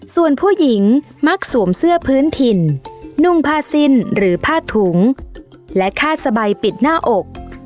ส่วนผู้หญิงมักสวมเสื้อพื้นถิ่นนุ่งผ้าสิ้นหรือผ้าถุงและคาดสบายปิดหน้าอก